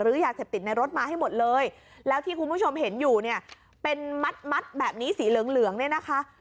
ยาเสพติดในรถมาให้หมดเลยแล้วที่คุณผู้ชมเห็นอยู่เนี่ยเป็นมัดมัดแบบนี้สีเหลืองเหลืองเนี่ยนะคะ